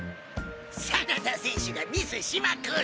真田選手がミスしまくり。